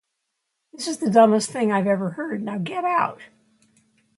This is the dumbest thing I've ever heard. Now, Get out!